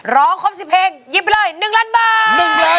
ร้องครบ๑๐เพลงหยิบไปเลย๑ล้านบาท